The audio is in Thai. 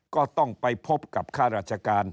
ก็ต้องไปพบกับข้าราชการ